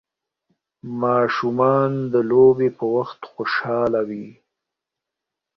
ماشومان د لوبې په وخت خوشحاله ول.